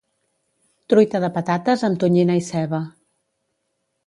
Truita de patates amb tonyina i ceba